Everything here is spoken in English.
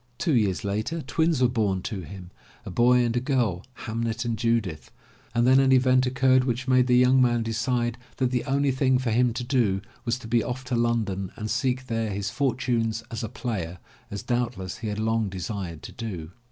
Two years later twins were bom to him, a boy and a girl, Hamnet and Judith, and then an event occurred which made the young man decide that the only thing for him to do was to be off to London and seek there his fortunes as a player, as doubtless he had long desired to do.